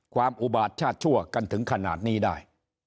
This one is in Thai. อุบาตชาติชั่วกันถึงขนาดนี้ได้